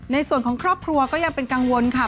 ในส่วนของครอบครัวก็ยังเป็นกังวลค่ะ